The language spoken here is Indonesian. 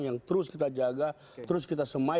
yang terus kita jaga terus kita semai